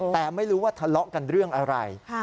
แต่ไม่รู้ว่าทะเลาะกันเรื่องอะไร